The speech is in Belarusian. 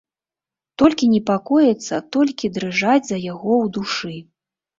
Толькі непакоіцца, толькі дрыжаць за яго ў душы.